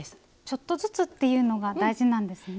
ちょっとずつっていうのが大事なんですね。